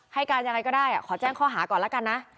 ให้การยังไงก็ได้ขอแจ้งข้อหาก่อนแล้วกันนะ